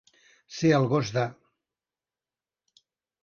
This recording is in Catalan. Ser el gos de.